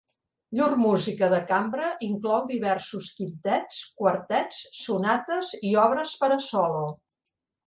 Llur música de cambra inclou diversos Quintets, Quartets, Sonates i obres per a solo.